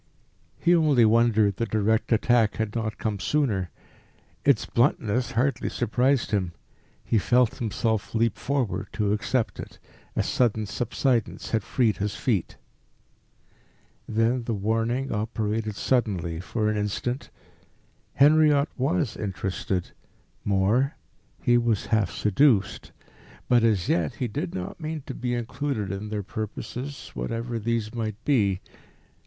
He only wondered the direct attack had not come sooner. Its bluntness hardly surprised him. He felt himself leap forward to accept it. A sudden subsidence had freed his feet. Then the warning operated suddenly for an instant. Henriot was interested; more, he was half seduced; but, as yet, he did not mean to be included in their purposes, whatever these might be.